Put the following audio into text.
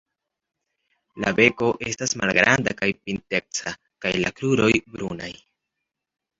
La beko estas malgranda kaj pinteca kaj la kruroj brunaj.